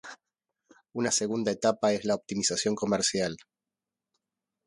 Una segunda etapa es la optimización comercial.